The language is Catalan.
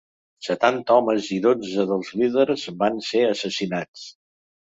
Setanta homes i dotze dels líders van ser assassinats.